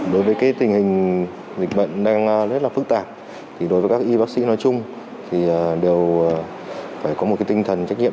đối với tình hình dịch bệnh đang rất là phức tạp đối với các y bác sĩ nói chung thì đều phải có một tinh thần trách nhiệm